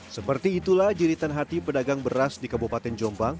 seperti itulah jeritan hati pedagang beras di kabupaten jombang